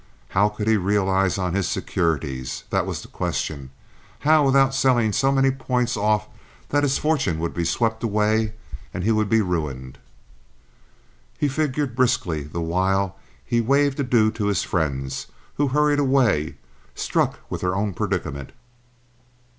How could he realize on his securities?—that was the question—how without selling so many points off that his fortune would be swept away and he would be ruined? He figured briskly the while he waved adieu to his friends, who hurried away, struck with their own predicament.